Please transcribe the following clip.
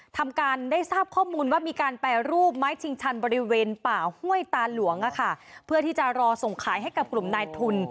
ทำการได้ทราบข้อมูลว่ามีการแปรรูปไม้ชิงชันบริเวณป่าห้วยตาหลวงเพื่อที่จะรอส่งขายให้กับกลุ่มนายทุน